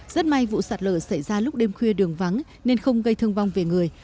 rất may vụ sạt lở xảy ra lúc đêm khuya đường vắng nên không gây thương vong về người